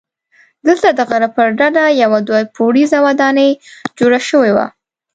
دلته د غره پر ډډه یوه دوه پوړیزه ودانۍ جوړه شوې وه.